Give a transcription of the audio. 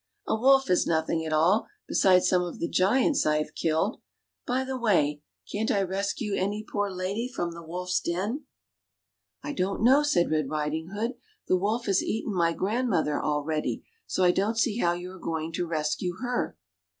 " A wolf is nothing at all beside some of the giants I have killed. By the way, can't I rescue any poor lady from the wolf's den ?" CINDERELLA UP TO DATE. 21 I don't know/' said Red Riding hood ; the wolf has eaten my grandmother already, so I don't see how you are going to rescue her."